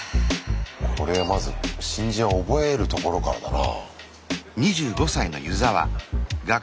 これはまず新人は覚えるところからだな。